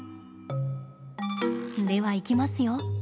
では、いきますよ。